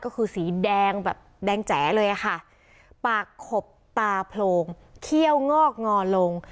ก็คือสีแดงแบบแดงแจ๋เลยอะค่ะปากขบตาโพรงเขี้ยวงอกงอลง